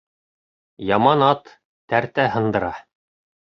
Яман ат тәртә һындыра